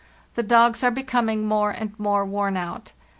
The dogs are becoming more and more worn out.